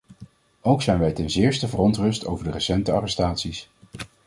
Ook zijn wij ten zeerste verontrust over de recente arrestaties.